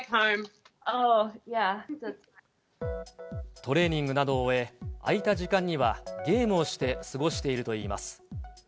トレーニングなどを終え、空いた時間にはゲームをして過ごしているといいます。